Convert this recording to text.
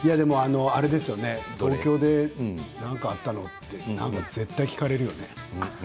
東京で何かあったの？って絶対聞かれるよね。